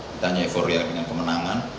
kita hanya euforia dengan kemenangan